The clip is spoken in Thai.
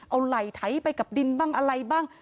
เอาไหล่ไถไปกับดินบ้างอะไรบ้าง